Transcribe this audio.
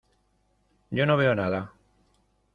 Yo no veo nada.